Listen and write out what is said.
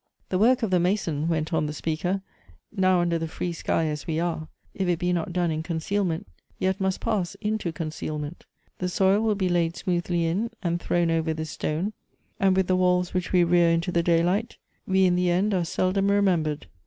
" The work of the mason," went on the speaker, " now under the free sky as we are, if it be not done in conceal ment, yet must pass into concealment — the soil will be laid smoothly in, and thrown over this stone, and with the walls which we rear into the daylight we in the end are seldom remembered.